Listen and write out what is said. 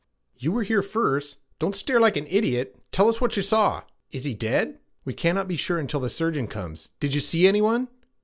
'You were here first Don't stare like an idiot! Tell us what you saw.' 'Is he dead?' 'We cannot be sure until the surgeon comes. Did you see any one?'